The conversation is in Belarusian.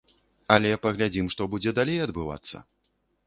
Але паглядзім, што будзе далей адбывацца.